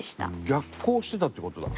逆行してたって事だ。